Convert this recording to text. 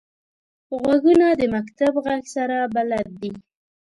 غوږونه د مکتب غږ سره بلد دي